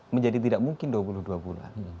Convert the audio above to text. menjadi tidak mungkin dua puluh dua bulan